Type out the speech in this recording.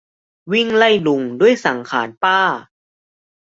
วิ่งไล่ลุงด้วยสังขารป้า